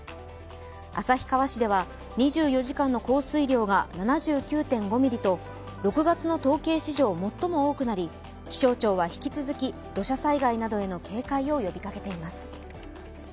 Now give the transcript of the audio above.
旭川市では、２４時間の降水量が７９．５ミリと６月の統計史上最も多くなり気象庁は引き続き土砂災害などへの警戒を呼びかけています。